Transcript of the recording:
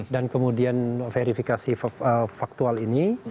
dan kemudian verifikasi faktual ini